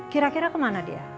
kira kira kemana dia